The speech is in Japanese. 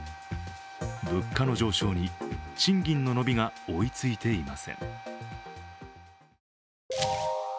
物価の上昇に賃金の伸びが追いついていません。